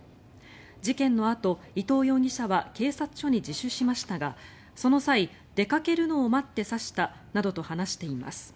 事件のあと、伊藤容疑者は警察署に自首しましたがその際、出かけるのを待って刺したなどと話しています。